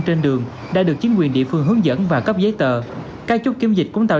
trên đường đã được chính quyền địa phương hướng dẫn và cấp giấy tờ các chốt kiểm dịch cũng tạo